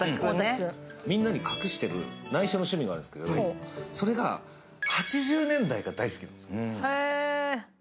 みんなに隠してる趣味があるんですけどそれが８０年代が大好きなんです。